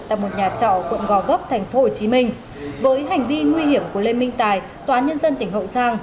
tại một nhà trọ quận gò vấp thành phố hồ chí minh với hành vi nguy hiểm của lê minh tài tòa án nhân dân tỉnh hậu giang